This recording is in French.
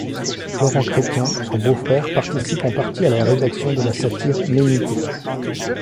Florent Chrestien, son beau-frère participe en partie à la rédaction de la Satire Ménippée.